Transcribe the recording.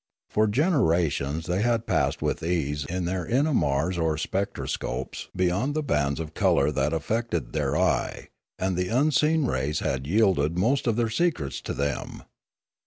For generations they had passed with ease in their in amars or spectroscopes beyond the bands of colour that affected their eye, and the unseen rays had yielded most of their secrets to them.